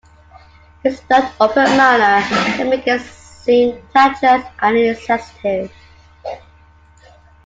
His blunt, open manner can make him seem tactless and insensitive.